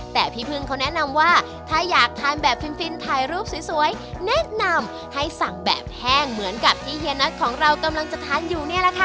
แต่พี่พึ่งเขาแนะนำว่าถ้าอยากทานแบบฟินถ่ายรูปสวยแนะนำให้สั่งแบบแห้งเหมือนกับที่เฮียน็อตของเรากำลังจะทานอยู่เนี่ยแหละค่ะ